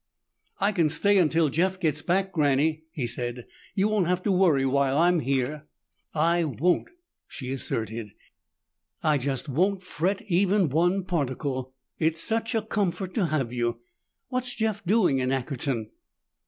"I can stay until Jeff gets back, Granny," he said. "You won't have to worry while I'm here." "I won't," she asserted. "I just won't fret even one particle. It's such a comfort to have you. What's Jeff doing in Ackerton?"